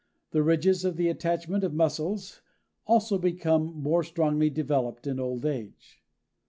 The ridges for the attachment of muscles also become more strongly developed in old age."